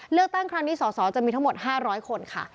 เลือกตั้งครั้งนี้สสจะมีทั้งหมด๕๐๐คนค่ะ